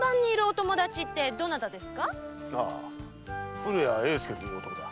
古谷栄介という男だ。